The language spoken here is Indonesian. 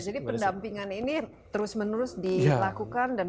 jadi pendampingan ini terus menerus dilakukan dan berkurang berhasil